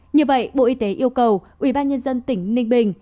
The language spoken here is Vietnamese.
như vậy bộ y tế yêu cầu ubnd tỉnh ninh bình